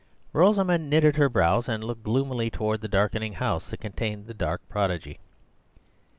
Rosamund knitted her brows and looked gloomily toward the darkening house that contained the dark prodigy.